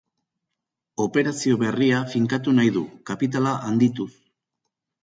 Operazio berria finkatu nahi du, kapitala handituz.